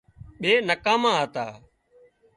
ٻي نڪاما هتا